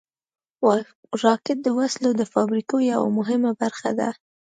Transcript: راکټ د وسلو د فابریکو یوه مهمه برخه ده